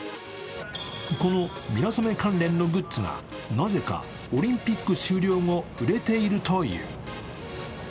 このミラソメ関連のグッズがなぜかオリンピック終了後、売れているという。